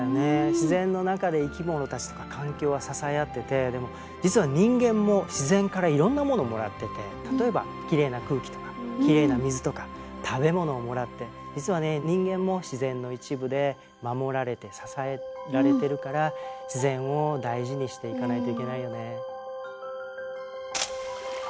自然の中で生き物たちとか環境が支え合ってて実は人間も自然からいろんなものをもらってて例えばきれいな空気とかきれいな水とか食べ物をもらって実はね人間も自然の一部で守られて支えられてるから自然を大事にしていかないといけないよね。